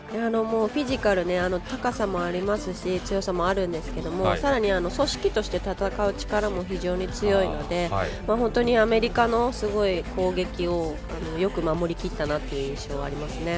フィジカル高さもありますし強さもあるんですけどもさらに、組織として戦う力も非常に強いので本当にアメリカのすごい攻撃をよく守りきったなっていう印象はありますね。